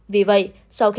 vì vậy sau khi